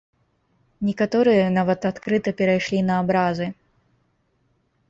Некаторыя нават адкрыта перайшлі на абразы.